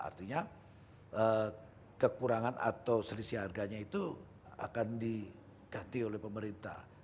artinya kekurangan atau selisih harganya itu akan diganti oleh pemerintah